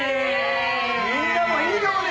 みんなもいい顔で。